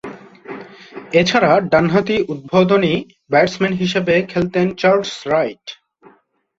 এছাড়াও, ডানহাতি উদ্বোধনী ব্যাটসম্যান হিসেবে খেলতেন চার্লস রাইট।